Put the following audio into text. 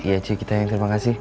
iya ci kita yang terima kasih